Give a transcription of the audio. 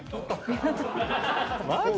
マジ⁉